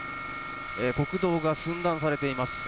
国道が寸断されれています。